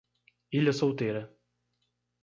Ilha Solteira